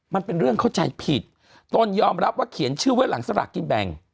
มันเป็นเรื่องเข้าใจผิดตนยอมรับว่าเขียนชื่อไว้หลังสลากกินแบ่ง